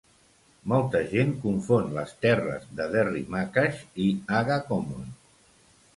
Molta gent confon les terres de Derrymacash i Aghacommon.